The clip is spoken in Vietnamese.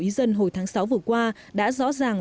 ý dân hồi tháng sáu vừa qua đã rõ ràng